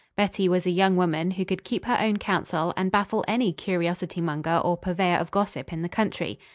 Betty was a young woman who could keep her own counsel and baffle any curiosity monger or purveyor of gossip in the country.